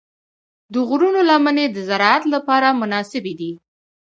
د غرونو لمنې د زراعت لپاره مناسبې دي.